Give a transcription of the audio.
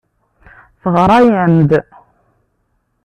Teɣra-am-d.